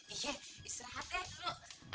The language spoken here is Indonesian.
iya istirahat deh dulu